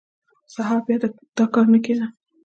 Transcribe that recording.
سهار بیا دا کار نه کېده.